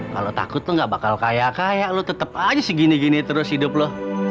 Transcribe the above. kalau takut nggak bakal kaya kaya lu tetep aja segini gini terus hidup lo